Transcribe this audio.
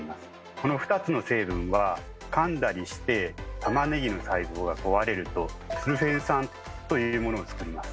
この２つの成分はかんだりしてたまねぎの細胞が壊れると「スルフェン酸」というものをつくります。